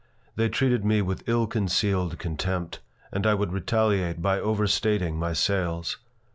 They treated me with ill concealed contempt, and I would retaliate by overstating my sales.